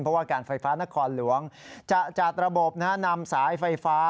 เพราะว่าการไฟฟ้านครหลวงจะจัดระบบนำสายไฟฟ้า